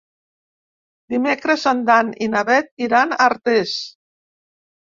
Dimecres en Dan i na Bet iran a Artés.